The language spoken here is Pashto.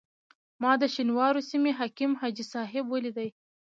ما د شینوارو سیمې حکیم حاجي صاحب ولیدی.